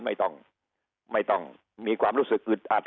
ไม่ต้องไม่ต้องมีความรู้สึกอึดอัด